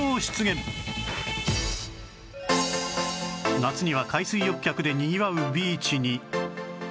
夏には海水浴客でにぎわうビーチに